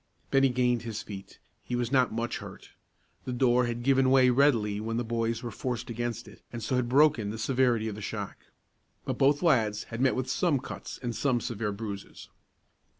Bennie gained his feet. He was not much hurt. The door had given way readily when the boys were forced against it, and so had broken the severity of the shock. But both lads had met with some cuts and some severe bruises.